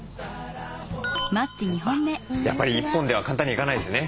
やっぱり１本では簡単にはいかないですね。